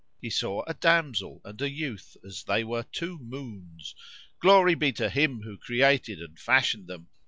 He saw a damsel and a youth as they were two moons (glory be to Him who created them; and fashioned them!)